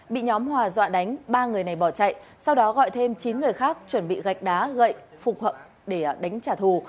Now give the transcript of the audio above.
bị nhóm hòa dọa đánh ba người này bỏ chạy sau đó gọi thêm chín người khác chuẩn bị gạch đá gậy phục để đánh trả thù